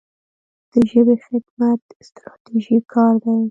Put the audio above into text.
د ژبې خدمت ستراتیژیک کار دی.